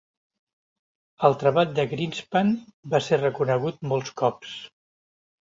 El treball de Greenspan va ser reconegut molts cops.